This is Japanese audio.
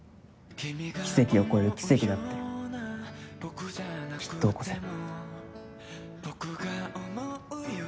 奇跡を超える奇跡だってきっと起こせる。